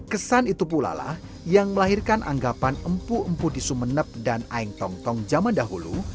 kesan itu pula lah yang melahirkan anggapan empu empu di sumeneb dan aeng tong tong zaman dahulu